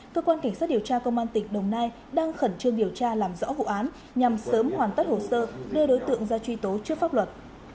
cơ quan cảnh sát điều tra công an tỉnh đồng nai đang khẩn trương điều tra làm rõ vụ án nhằm sớm hoàn tất hồ sơ đưa đối tượng ra truy tố trước pháp luật